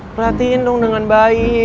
perhatiin dong dengan baik